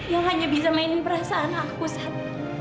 yang hanya bisa mainin perasaan aku sehat